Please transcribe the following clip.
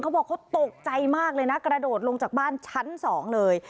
บอกเขาตกใจมากเลยนะกระโดดลงจากบ้านชั้นสองเลย